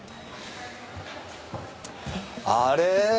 あれ？